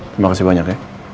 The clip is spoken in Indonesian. terima kasih banyak ya